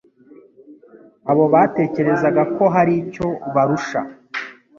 abo batekerezaga ko har'icyo barusha